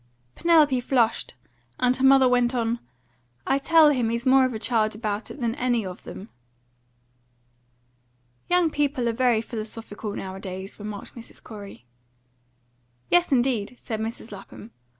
Penelope flushed, and her mother went on: "I tell him he's more of a child about it than any of them." "Young people are very philosophical nowadays," remarked Mrs. Corey. "Yes, indeed," said Mrs. Lapham.